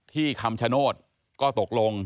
คำชโนธก็ตกลง